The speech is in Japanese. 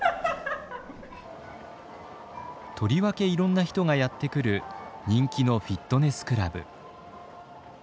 とりわけいろんな人がやって来る人気のフィットネスクラブ。